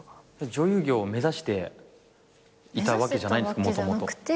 女優業を目指していたわけじゃないんですか？